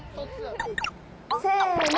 せの。